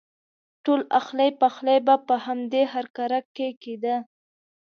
ټول اخلی پخلی په همدې هرکاره کې کېده.